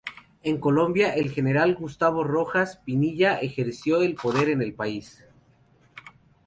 En Colombia, el general Gustavo Rojas Pinilla ejerció el poder en el país.